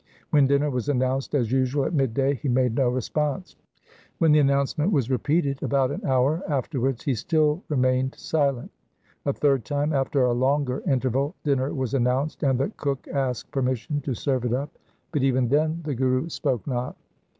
When dinner was announced, as usual at mid day, he made no response. When the announcement was repeated about an hour after wards, he still remained silent. A third time after a longer interval dinner was announced, and the cook asked permission to serve it up, but even 1 Gaund. LIFE OF GURU HAR RAI 285 then the Guru spoke not.